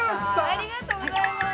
◆ありがとうございます。